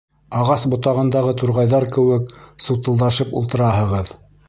Ағас ботағындағы турғайҙар кеүек сутылдашып ултыраһығыҙ!..